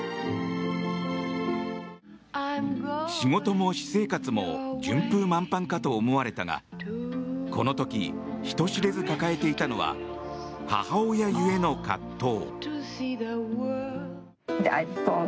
仕事も私生活も順風満帆かと思われたがこの時、人知れず抱えていたのは母親故の葛藤。